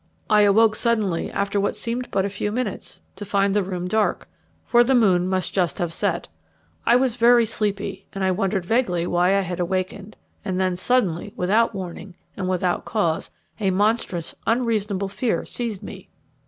I awoke suddenly, after what seemed but a few minutes, to find the room dark, for the moon must just have set. I was very sleepy, and I wondered vaguely why I had awakened; and then suddenly, without warning, and without cause, a monstrous, unreasonable fear seized me.